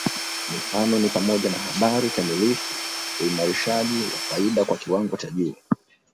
Mifano ni pamoja na habari kamilifu uimarishaji wa faida kwa kiwango cha juu